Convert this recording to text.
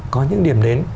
có những điểm đến